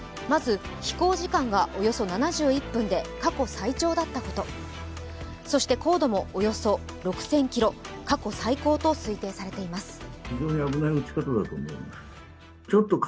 まず、飛行時間がおよそ７１分で過去最高だったこと、そして、高度も６０００ｋｍ過去最高とみられています。